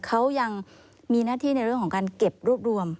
เขายังมีหน้าที่ในเรื่องของการเก็บรวบรวม